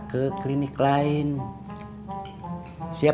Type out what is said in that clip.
kau itu panggil